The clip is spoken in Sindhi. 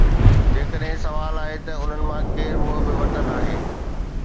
جيڪڏهن سوال آهي ته انهن مان ڪير محب وطن آهي؟